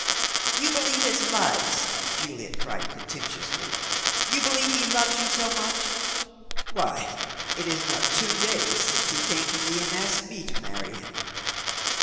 "You believe his lies," Juliet cried contemptuously. "You believe he loves you so much? Why it is not two days since he came to me and asked me to marry him."